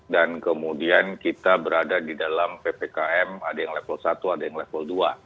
kemudian kita berada di dalam ppkm ada yang level satu ada yang level dua